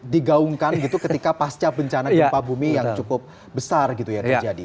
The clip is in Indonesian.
digaungkan gitu ketika pasca bencana gempa bumi yang cukup besar gitu ya terjadi